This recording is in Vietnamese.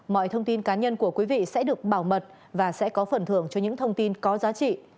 mọi thông tin cá nhân của quý vị sẽ được bảo mật và sẽ có phần thưởng cho những thông tin có giá trị